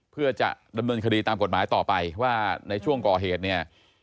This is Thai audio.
เพื่อจะดำเนินคดีตามกฎหมายต่อไปว่าในช่วงก่อเหตุเนี่ย